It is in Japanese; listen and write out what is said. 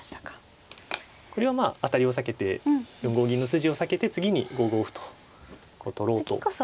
これはまあ当たりを避けて４五銀の筋を避けて次に５五歩と取ろうという狙いですね。